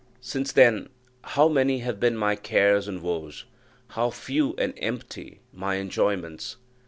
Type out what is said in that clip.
Since then how many have been my cares and woes, how few and empty my enjoyments!